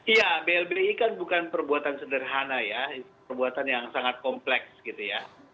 iya blbi kan bukan perbuatan sederhana ya perbuatan yang sangat kompleks gitu ya